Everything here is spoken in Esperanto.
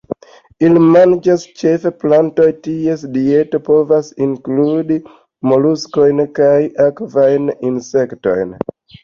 Ili manĝas ĉefe plantojn; ties dieto povas inkludi moluskojn kaj akvajn insektojn.